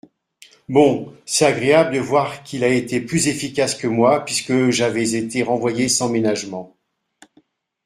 Bon, c’est agréable de voir qu’il a été plus efficace que moi puisque j’avais été renvoyé sans ménagement.